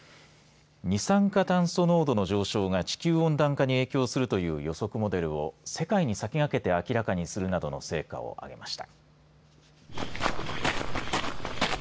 二酸化炭素濃度の上昇が地球温暖化に影響するという予測モデルを世界に先駆けて明らかにするなどの成果をあげました。